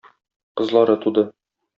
Кызлары туды.